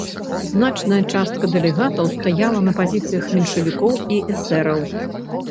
Значная частка дэлегатаў стаяла на пазіцыях меншавікоў і эсэраў.